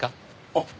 あっ。